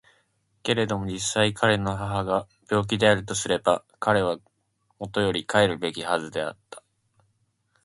けれども実際彼の母が病気であるとすれば彼は固より帰るべきはずであった。